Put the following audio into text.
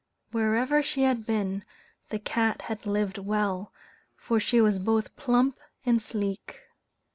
Wherever she had been, the cat had lived well, for she was both plump and sleek.